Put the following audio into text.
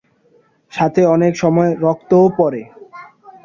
সাথে অনেক সময় রক্তও পরে।